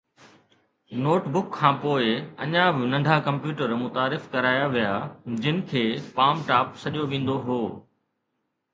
note book کان پوءِ، اڃا به ننڍا ڪمپيوٽر متعارف ڪرايا ويا جن کي پام ٽاپ سڏيو ويندو هو